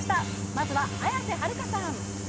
まずは綾瀬はるかさん。